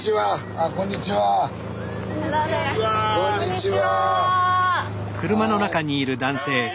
こんにちは！